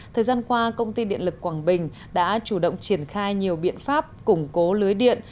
thời gian qua công ty điện lực quảng bình đã chủ động triển khai nhiều biện pháp củng cố lưới điện